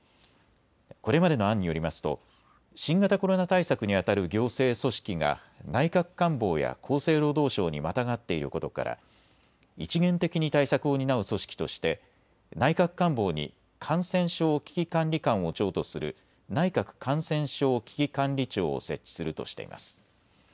これまでの案によりますと新型コロナ対策にあたる行政組織が内閣官房や厚生労働省にまたがっていることから一元的に対策を担う組織として内閣官房に感染症危機管理監を長とする内閣感染症危機管理庁を設置するとしています。